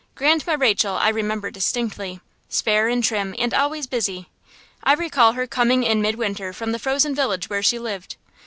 Grandma Rachel I remember distinctly, spare and trim and always busy. I recall her coming in midwinter from the frozen village where she lived.